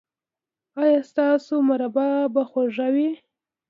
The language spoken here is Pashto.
ایا ستاسو مربا به خوږه وي؟